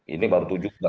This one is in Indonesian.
ini baru tujuh